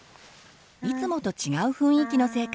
いつもと違う雰囲気のせいか